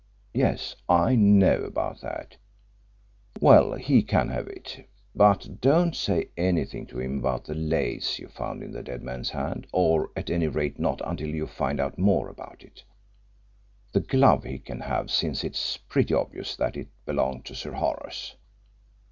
"Yes, I knew about that. Well, he can have it. But don't say anything to him about that lace you found in the dead man's hand or at any rate not until you find out more about it. The glove he can have since it is pretty obvious that it belonged to Sir Horace.